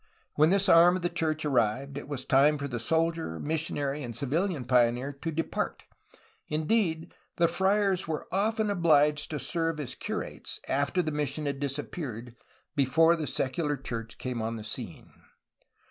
When this arm of the church arrived, it was time for the soldier, missionary, and civilian pioneer to depart; indeed, the friars were often obliged to serve as curates, after the mission had disappeared, before the secular church came on the scene.